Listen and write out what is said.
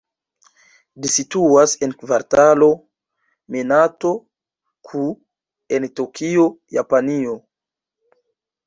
Ĝi situas en Kvartalo Minato-ku en Tokio, Japanio.